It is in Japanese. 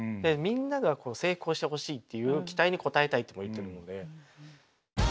みんなが成功してほしいっていう期待に応えたいとも言ってるので。